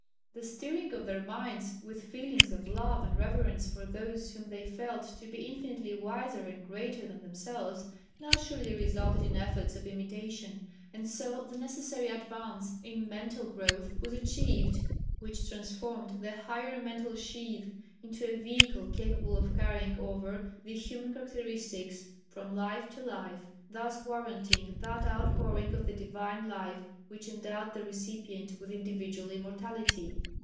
The stirring of their minds with feelings of love and reverence for those whom they felt to be infinitely wiser and greater than themselves naturally resulted in efforts of imitation, and so the necessary advance in mental growth was achieved which transformed the higher mental sheath into a vehicle capable of carrying over the human characteristics from life to life, thus warranting that outpouring of the Divine Life which endowed the recipient with individual immortality.